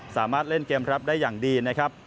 สามารถเล่นเกมรับได้อย่างดีนะครับ